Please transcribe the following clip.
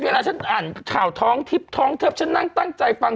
เวลาฉันอ่านข่าวท้องทิพย์ท้องเทิบฉันนั่งตั้งใจฟัง